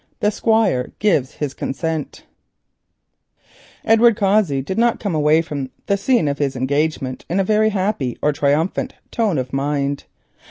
THE SQUIRE GIVES HIS CONSENT Edward Cossey did not come away from the scene of his engagement in a very happy or triumphant tone of mind.